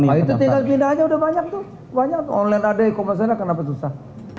itu tinggal pindahnya udah banyak tuh online ada e commerce kenapa susah